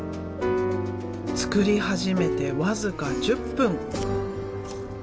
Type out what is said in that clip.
作り始めて僅か１０分。